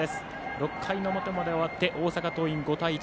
６回の表まで終わって大阪桐蔭５対１。